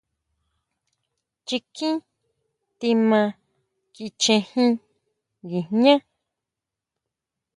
Chikin tima kichejin nguijñá.